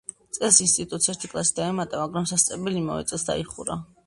წელს ინსტიტუტს ერთი კლასი დაემატა, მაგრამ სასწავლებელი იმავე წელს დაიხურა.